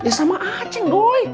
ya sama aceh boy